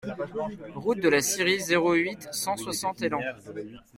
Route de la Scierie, zéro huit, cent soixante Élan